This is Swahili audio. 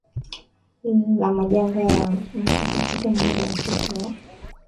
la majanga ya moto katika eneo la msitu wa